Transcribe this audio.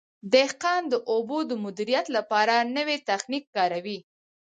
دهقان د اوبو د مدیریت لپاره نوی تخنیک کاروي.